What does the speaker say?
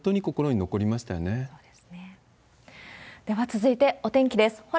では続いてお天気です。